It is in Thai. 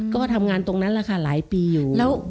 ก็ทำงานตรงนั้นแหละค่ะหลายปีอยู่